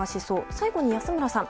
最後に、安村さん。